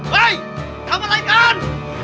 เห้ยทำอะไรกัน